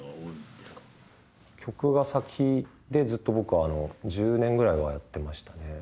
曲が先でずっと僕は１０年ぐらいはやってましたね。